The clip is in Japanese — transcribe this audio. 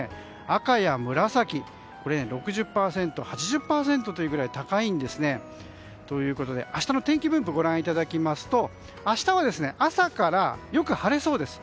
赤や紫６０％、８０％というぐらい高いんですね。ということで明日の天気分布をご覧いただきますと明日は朝からよく晴れそうです。